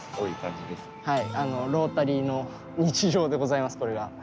ロータリーの日常でございます、これが。